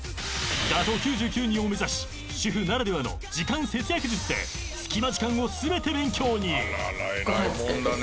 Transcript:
［打倒９９人を目指し主婦ならではの時間節約術で隙間時間を全て勉強に］